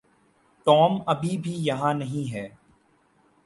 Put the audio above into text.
Tom ابھی بھی یہاں نہیں ہے۔